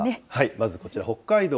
まずこちら、北海道。